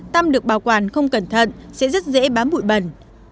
tăm được bảo quản không cẩn thận sẽ rất dễ bám bụi bẩn